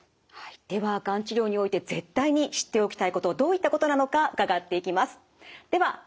ではがん治療において絶対に知っておきたいことどういったことなのか伺っていきます。